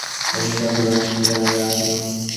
অবশেষে আমি পুনরায় চিকাগোয় আসিলাম।